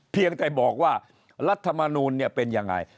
เพียงแต่บอกว่ารัฐมนูลเนี่ยเป็นยังไง